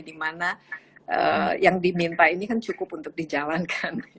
dimana yang diminta ini kan cukup untuk dijalankan